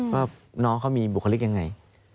ว่าน้องเขามีบุคลิกยังไง